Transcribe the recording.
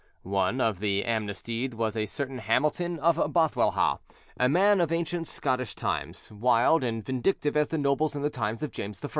One of the amnestied was a certain Hamilton of Bothwellhaugh, a man of ancient Scottish times, wild and vindictive as the nobles in the time of James I.